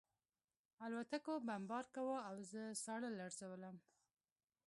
الوتکو بمبار کاوه او زه ساړه لړزولم